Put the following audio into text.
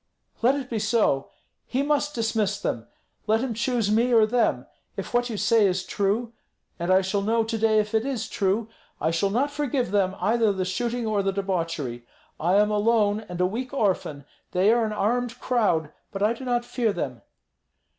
"Let it be so. He must dismiss them. Let him choose me or them. If what you say is true, and I shall know to day if it is true, I shall not forgive them either the shooting or the debauchery. I am alone and a weak orphan, they are an armed crowd; but I do not fear them."